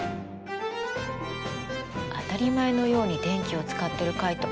当たり前のように電気を使ってるカイト。